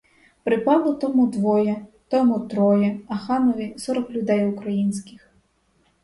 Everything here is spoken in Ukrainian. Припало тому двоє, тому троє, а ханові сорок людей українських.